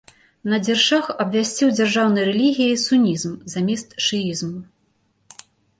Надзір-шах абвясціў дзяржаўнай рэлігіяй сунізм замест шыізму.